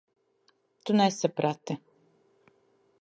Tu nesaprati.